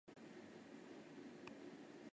声音也渐渐小了